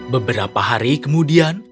beberapa hari kemudian